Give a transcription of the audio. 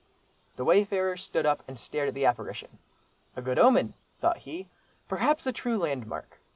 The wayfarer stood up and stared at the apparition: "a good omen," thought he, "perhaps a true landmark.